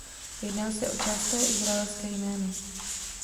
Jedná se o časté izraelské jméno.